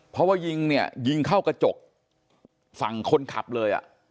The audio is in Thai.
เพราะว่ายิงเนี่ยยิงเข้ากระจกฝั่งคนขับเลยอ่ะ